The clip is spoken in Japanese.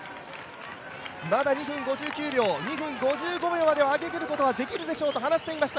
まだ２分５９秒２分５５秒までは上げることができるでしょうと話していました、